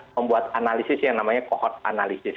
mengadakan kohot analisis